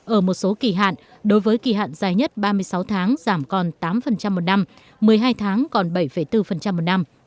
ở một số kỳ hạn đối với kỳ hạn dài nhất ba mươi sáu tháng giảm còn tám một năm một mươi hai tháng còn bảy bốn một năm